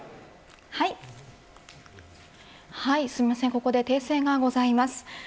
ここで訂正がございます。